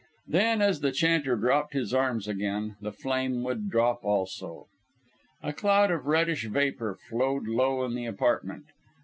Then, as the chanter dropped his arms again, the flame would drop also. A cloud of reddish vapour floated low in the apartment.